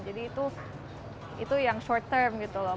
jadi itu itu yang short term gitu loh